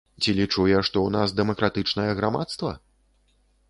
Ці лічу я, што ў нас дэмакратычнае грамадства?